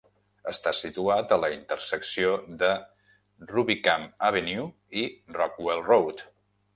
Està situat a la intersecció de Rubicam Avenue i Rockwell Road.